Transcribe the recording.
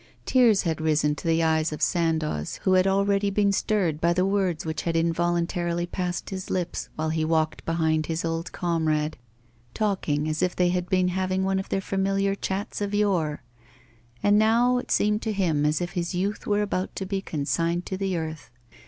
Tears had risen to the eyes of Sandoz, who had already been stirred by the words which had involuntarily passed his lips, while he walked behind his old comrade, talking as if they had been having one of their familiar chats of yore; and now it seemed to him as if his youth were about to be consigned to the earth.